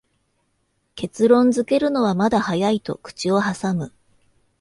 結論づけるのはまだ早いと口をはさむ